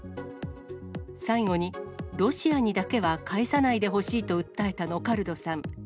最後に、ロシアにだけは返さないでほしいと訴えたノカルドさん。